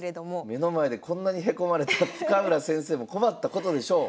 目の前でこんなにへこまれたら深浦先生も困ったことでしょう。